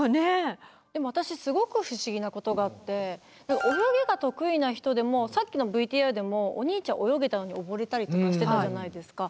でも私すごく不思議なことがあって泳ぎが得意な人でもさっきのＶＴＲでもお兄ちゃん泳げたのに溺れたりとかしてたじゃないですか。